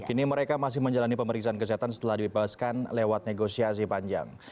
kini mereka masih menjalani pemeriksaan kesehatan setelah dibebaskan lewat negosiasi panjang